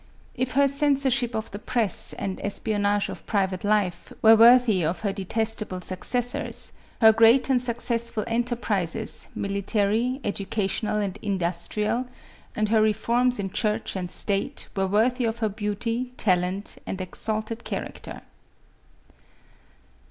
If her censorship of the press and espionage of private life, were worthy of her detestable successors, her great and successful enterprises, mili tary, educational and industrial, and her reforms in church and state, were worthy of her beauty, talent and exalted character.